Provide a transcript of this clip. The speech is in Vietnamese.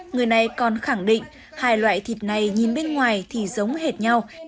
người này còn khẳng định hai loại thịt này nhìn bên ngoài thì giống hệt nhau